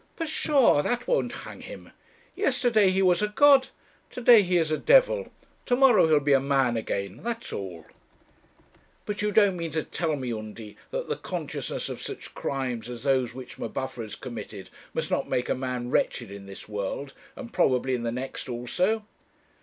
'Pshaw! that won't hang him. Yesterday he was a god; to day he is a devil; to morrow he'll be a man again; that's all.' 'But you don't mean to tell me, Undy, that the consciousness of such crimes as those which M'Buffer has committed must not make a man wretched in this world, and probably in the next also?'